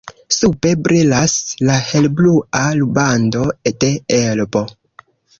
Sube brilas la helblua rubando de Elbo.